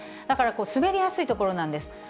だから滑りやすい所なんです。